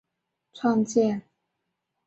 什刹海清真寺是清朝乾隆年间由马良创建。